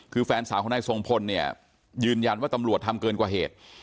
คือแฟนสาวของนายทรงพลเนี่ยยืนยันว่าตำรวจทำเกินกว่าเหตุ